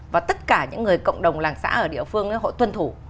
và tất cả những người cộng đồng làng xã ở địa phương họ tuân thủ